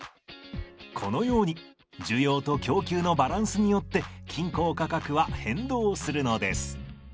このように需要と供給のバランスによって均衡価格は変動するのです。